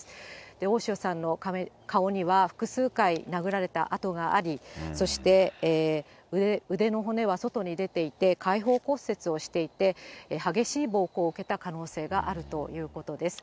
大塩さんの顔には、複数回殴られたあとがあり、そして、腕の骨は外に出ていて、開放骨折をしていて、激しい暴行を受けた可能性があるということです。